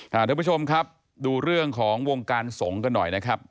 ทุกผู้ชมครับดูเรื่องของวงการศมก็หน่อยนะครับ